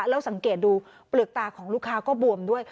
แล้วสังเกตดูเปลือกตาของลูกค้าก็บวมด้วย